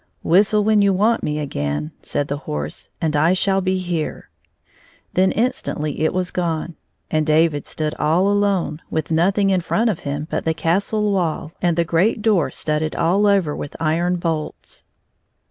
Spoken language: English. " Whistle when you want me again," said the horse, " and I shall be here." Then instantly it was gone, and David stood all alone, with noth ing in front of him but the castle wall and the great door studded all over with iron bolts.